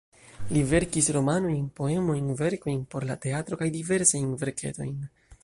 Li verkis romanojn, poemojn, verkojn por la teatro kaj diversajn verketojn.